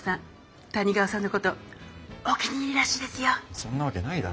そんなわけないだろ！